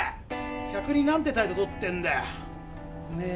客に何て態度取ってんだよねえ